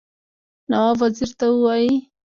نواب وزیر ته ووايي.